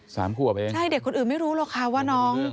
สามครูเอาไปเองค่ะใช่เด็กคนอื่นไม่รู้หรอกค่ะว่าน้อง